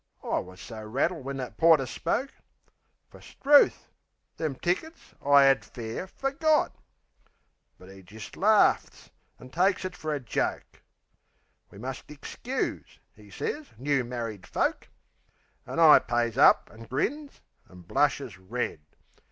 I wus so rattled when that porter spoke. Fer, 'struth! them tickets I 'ad fair forgot! But 'e jist laughs, an' takes it fer a joke. "We must ixcuse," 'e sez, "new married folk." An' I pays up, an' grins, an' blushes red....